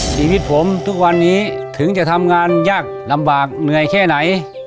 ชีวิตผมทุกวันนี้ถึงจะทำงานยากลำบากเหนื่อยแค่ไหน